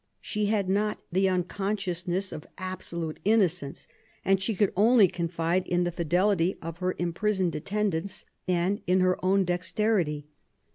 She had not the unconsciousness of absolute innocence ; and could only confide in the fidelity of her imprisoned attendants and in her own dexterity.